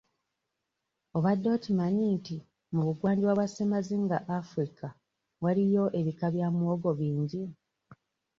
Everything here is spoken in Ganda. Obadde okimanyi nti mu bugwanjuba bwa Ssemazinga Africa waliyo ebika bya muwogo bingi?